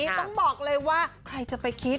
ต้องบอกเลยว่าใครจะไปคิด